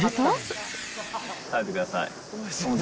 食べてください。